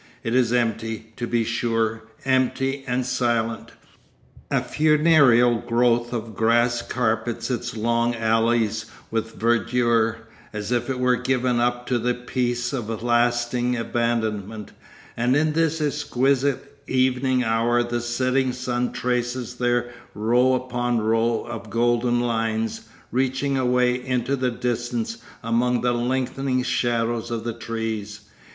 It is empty, to be sure, empty and silent. A funereal growth of grass carpets its long alleys with verdure, as if it were given up to the peace of a lasting abandonment, and in this exquisite evening hour the setting sun traces there row upon row of golden lines, reaching away into the distance among the lengthening shadows of the trees.